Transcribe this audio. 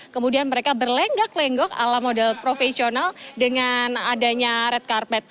kemudian mereka berlenggak lenggok ala model profesional dengan adanya red carpet